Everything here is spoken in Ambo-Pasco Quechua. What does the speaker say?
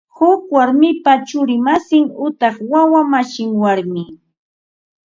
Huk warmipa churi masin utaq wawa masin warmi